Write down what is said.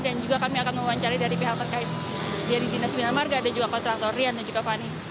dan juga kami akan memuancari dari pihak terkait dari dinas minamarka dan juga kontraktor rian dan juga fani